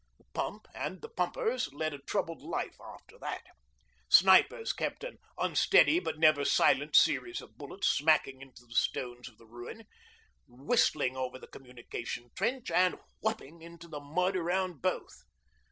The pump and the pumpers led a troubled life after that. Snipers kept an unsteady but never silent series of bullets smacking into the stones of the ruin, whistling over the communication trench, and 'whupp' ing into the mud around both.